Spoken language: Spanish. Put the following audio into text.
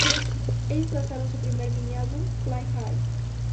Ellos lanzaron su primer mini-álbum "Fly High".